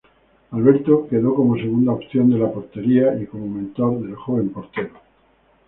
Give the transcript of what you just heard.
Alberto quedó como segunda opción de la portería y como mentor del joven portero.